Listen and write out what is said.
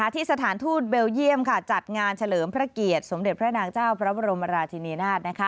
สถานทูตเบลเยี่ยมจัดงานเฉลิมพระเกียรติสมเด็จพระนางเจ้าพระบรมราชินีนาฏ